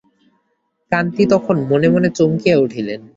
কান্তি তখন মনে মনে চমকিয়া উঠিলেন।